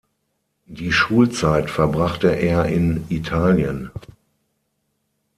Die Schulzeit verbrachte er in Italien.